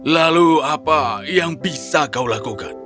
lalu apa yang bisa kau lakukan